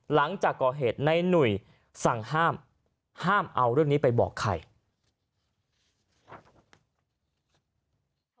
หลังจากก่อเหตุในหนุ่ยสั่งห้ามห้ามเอาเรื่องนี้ไปบอกใคร